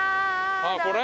ああこれ？